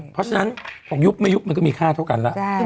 เพราะฉะนั้นของยุบไม่ยุบมันก็มีค่าเท่ากันแล้ว